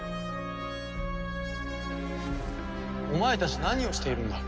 お前たち何をしているんだ？